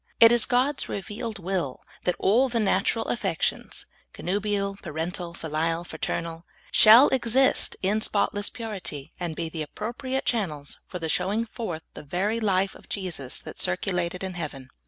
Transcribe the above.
It is God's revealed will that all the natural affec tions — connubial, parental, filial, fraternal — shall exist in spotless purity, and be the appropriate channels for showing forth the very life of Jesus that circulated in heaven.